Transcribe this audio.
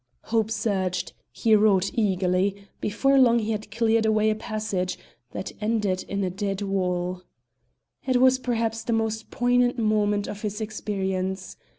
Hope surged, he wrought eagerly; before long he had cleared away a passage that ended in a dead wall! It was perhaps the most poignant moment of his experience.